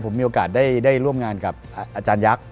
ผมมีโอกาสได้ร่วมงานกับอาจารยักษ์